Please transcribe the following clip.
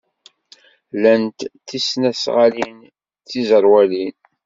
Lant tisnasɣalin d tiẓerwalin.